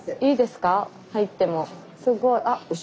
すごい。